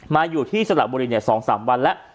มาอยู่ที่สระบุรี๒๓วันแล้ว